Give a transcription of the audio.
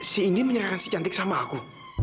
si ini menyerahkan si cantik sama aku